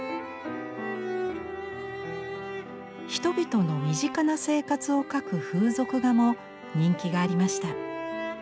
人々の身近な生活を描く風俗画も人気がありました。